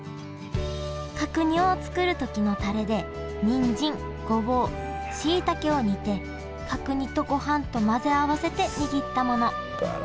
角煮を作る時のタレでにんじんごぼうしいたけを煮て角煮とごはんと混ぜ合わせて握ったもの。